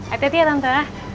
ada tante ya tante